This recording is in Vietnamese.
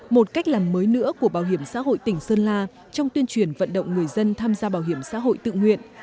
một cách làm mới nữa của bảo hiểm xã hội tỉnh sơn la trong tuyên truyền vận động người dân tham gia bảo hiểm xã hội tự nguyện